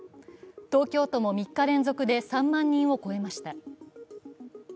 東京都も３日連続で３万人を超えました。